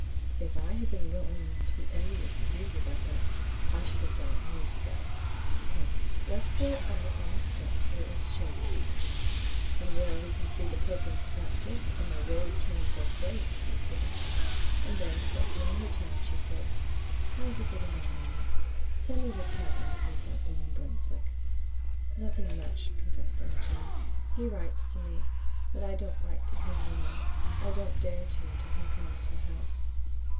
"If I had been going to be envious of you, Rebecca, I should have died years ago. Come, let's go out on the steps where it's shady and cool." "And where we can see the Perkins front gate and the road running both ways," teased Rebecca, and then, softening her tone, she said: "How is it getting on, Emmy? Tell me what's happened since I've been in Brunswick." "Nothing much," confessed Emma Jane. "He writes to me, but I don't write to him, you know. I don't dare to, till he comes to the house."